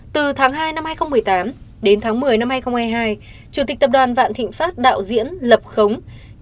từ tháng hai năm hai nghìn một mươi tám đến tháng một mươi năm hai nghìn hai mươi hai chủ tịch tập đoàn vạn thịnh pháp đạo diễn lập khống